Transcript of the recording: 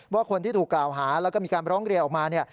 ว่าคนที่ถูกกล่าวหาแล้วก็มีการร้องเรียนออกมาเนี่ย